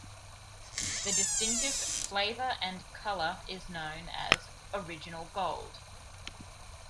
The distinctive flavor and color is known as "Original Gold".